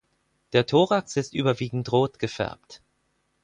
Der Thorax ist überwiegend rot gefärbt.